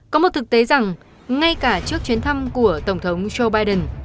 có một thực tế rằng ngay cả trước chuyến thăm của tổng thống joe biden